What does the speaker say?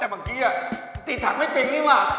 แต่บางทีสีถักไม่เป็นนี่หว่า